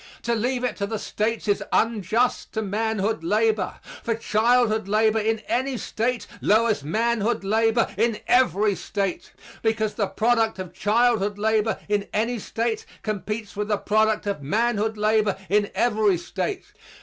To leave it to the States is unjust to manhood labor; for childhood labor in any State lowers manhood labor in every State, because the product of childhood labor in any State competes with the product of manhood labor in every State.